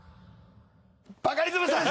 バカリズムさん！